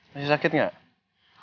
masih sakit gak